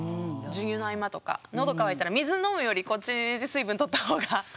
授乳の合間とか喉渇いたら水飲むよりこっちで水分とった方が。